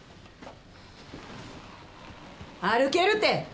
歩けるて。